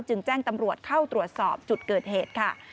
จึงแจ้งตำรวจเข้าตรวจสอบจุดเกิดเหตุค่ะ